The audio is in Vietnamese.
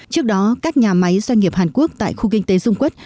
trước đó các nhà máy doanh nghiệp hàn quốc tại khu kinh tế dung quốc